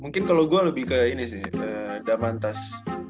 mungkin kalo gua lebih ke ini sih damantas